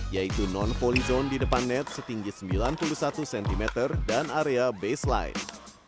yaitu non volley zone di depan net setinggi sembilan puluh satu cm dan area baseline